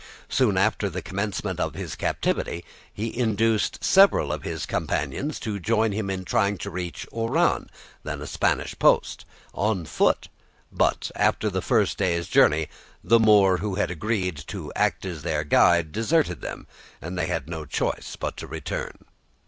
Soon after the commencement of his captivity he induced several of his companions to join him in trying to reach Oran, then a Spanish post, on foot; but after the first day's journey, the Moor who had agreed to act as their guide deserted them, and they had no choice but to return.